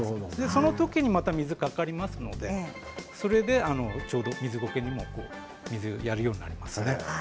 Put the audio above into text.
その時にまた水がかかりますのでちょうど水ゴケにも水をやるようになりますね。